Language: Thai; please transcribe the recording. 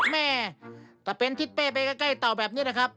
แม่ถ้าเป็นทิศเป้ไปใกล้เต่าแบบนี้นะครับ